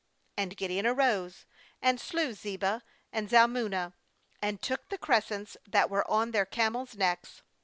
And Gideon arose, and slew Zebah and Zalmunna. and took the crescents that were on their camels' necks.